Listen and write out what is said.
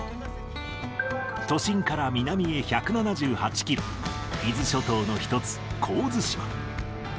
都心から南へ１７８キロ、伊豆諸島の一つ、神津島。